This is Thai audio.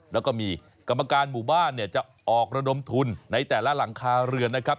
แล้วก็มีกรรมการหมู่บ้านเนี่ยจะออกระดมทุนในแต่ละหลังคาเรือนนะครับ